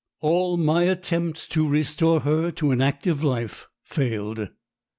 All my attempts to restore her to an active life failed.